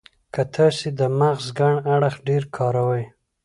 که تاسې د مغز کڼ اړخ ډېر کاروئ.